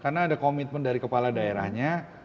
karena ada komitmen dari kepala daerahnya